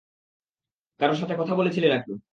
কারো সাথে কথা বলছিলে নাকি?